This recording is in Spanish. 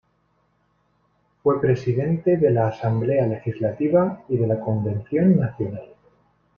Fue presidente de la Asamblea legislativa y de la Convención nacional.